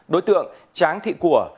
đối tượng tráng thị của